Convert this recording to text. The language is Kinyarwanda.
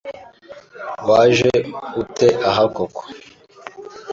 waje ute aha koko